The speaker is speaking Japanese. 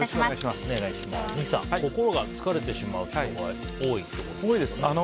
三木さん心が疲れてしまう人が多いってことですが。